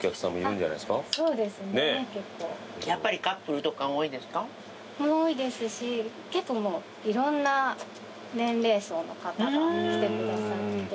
やっぱりカップルとか多いですか？も多いですし結構いろんな年齢層の方が来てくださって。